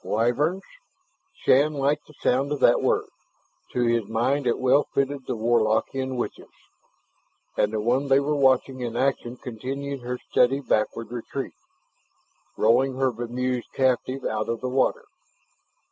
Wyverns. Shann liked the sound of that word; to his mind it well fitted the Warlockian witches. And the one they were watching in action continued her steady backward retreat, rolling her bemused captive out of the water.